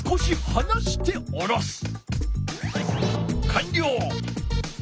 かんりょう！